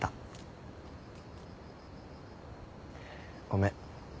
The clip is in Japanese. ごめん。